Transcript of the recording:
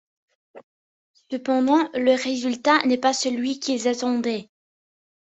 Cependant, le résultat n'est pas celui qu'ils attendaient.